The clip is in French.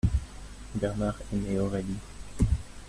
Bernard aimait Aurélie.